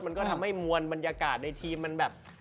มันก็ทำให้มวลบรรยากาศในทีมมันแบบ